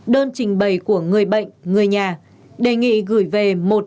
đơn trình bày của người bệnh người nhà đề nghị gửi về một